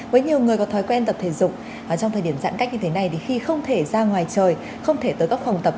với nhiều người có thói quen tập thể dục trong thời điểm giãn cách như thế này thì khi không thể ra ngoài trời không thể tới các phòng tập